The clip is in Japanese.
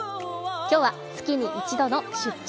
今日は月に１度の「出張！